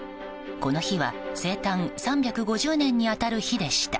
この日は生誕３５０年に当たる日でした。